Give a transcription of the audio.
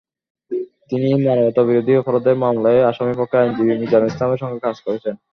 তিনি মানবতাবিরোধী অপরাধের মামলায় আসামিপক্ষের আইনজীবী মিজানুল ইসলামের সঙ্গে কাজ করেছেন।